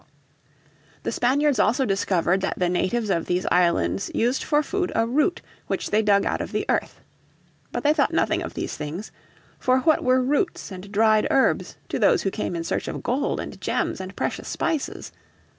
The Spaniards also discovered that the natives of these islands used for food a root which they dug out of the earth. But they thought nothing of these things. For what were roots and dried herbs to those who came in search of gold, and gems, and precious spices?